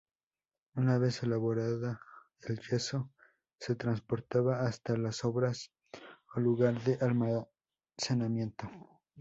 Una vez elaborado el yeso, se transportaba hasta las obras o lugar de almacenamiento.